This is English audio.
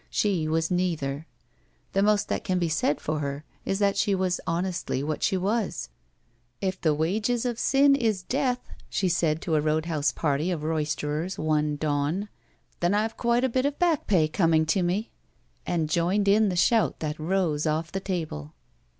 She was neither. The most that can be said for her is that she was honestly what she was. "If the wages of sin is death," she said to a road house party of roysterers one dawn, "then I've quite a bit of back pay coming to me." And joined in the shout that rose ofiE the table.